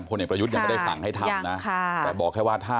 นี้พ่อเนธประยุทย์ยังไม่ได้สั่งให้ทำนะ